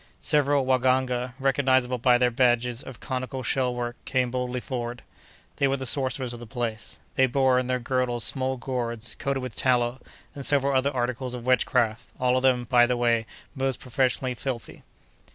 Several "waganga," recognizable by their badges of conical shellwork, came boldly forward. They were the sorcerers of the place. They bore in their girdles small gourds, coated with tallow, and several other articles of witchcraft, all of them, by the way, most professionally filthy.